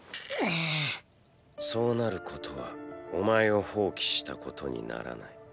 そうなることはお前を放棄したことにならない。